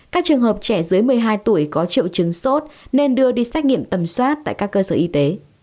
các trường hợp trẻ dưới một mươi hai tuổi có triệu chứng sốt nên đưa đi xét nghiệm tầm soát tại các cơ sở y tế